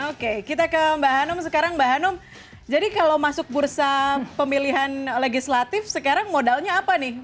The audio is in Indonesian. oke kita ke mbak hanum sekarang mbak hanum jadi kalau masuk bursa pemilihan legislatif sekarang modalnya apa nih